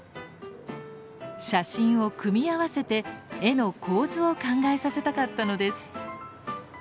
写真を組み合わせて絵の構図を考えさせたかったのです。